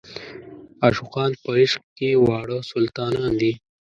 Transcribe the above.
عاشقان په عشق کې واړه سلطانان دي.